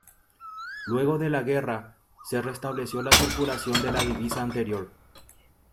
Luego de la guerra, se restableció la circulación de la divisa anterior.